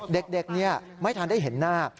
เด็กไม่ทันได้เห็นหน้า